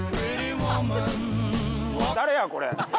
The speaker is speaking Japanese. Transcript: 誰やこれ！